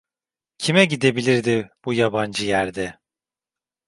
Kime gidebilirdi bu yabancı yerde?